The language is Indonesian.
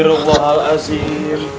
ada anak anak sih